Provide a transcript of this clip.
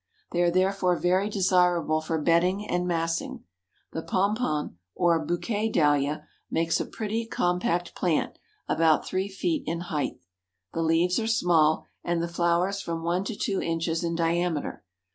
They are therefore very desirable for bedding and massing. The Pompon or Bouquet Dahlia makes a pretty, compact plant, about three feet in height. The leaves are small, and the flowers from one to two inches in diameter.